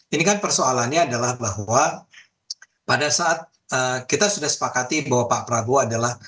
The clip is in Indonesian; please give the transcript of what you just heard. ini kan persoalannya adalah bahwa pada saat kita sudah sepakati bahwa pak prabowo adalah